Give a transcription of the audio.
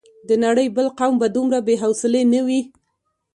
د نړۍ بل قوم به دومره بې حوصلې نه وي.